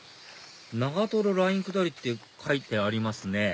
長ライン下りって書いてありますね